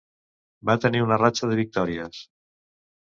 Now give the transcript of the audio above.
Va tenir una ratxa de victòries.